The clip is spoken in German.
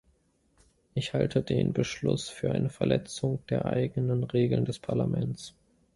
Ich halte den Beschluss für eine Verletzung der eigenen Regeln des Parlaments.